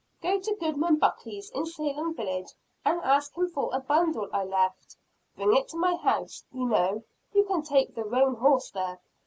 "Go to Goodman Buckley's, in Salem village, and ask him for a bundle I left bring it to my house, you know, you can take the roan horse there.